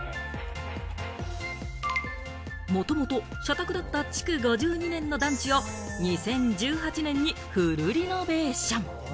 もともと社宅だった築５２年の団地を２０１８年にフルリノベーション。